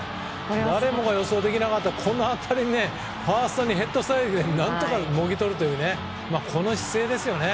誰もが予想できなかったこの当たりでファーストにヘッドスライディングして何とか、もぎとるというこの姿勢ですよね。